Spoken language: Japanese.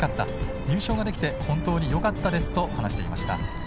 入賞できてよかったですと話していました。